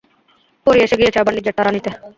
পরী এসে গিয়েছে আবার, নিজের তারা নিতে।